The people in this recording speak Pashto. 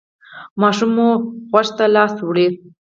ماشوم مو غوږ ته لاس وړي؟